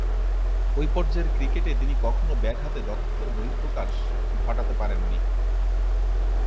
ঐ পর্যায়ের ক্রিকেটে তিনি কখনো ব্যাট হাতে দক্ষতার বহিঃপ্রকাশ ঘটাতে পারেননি।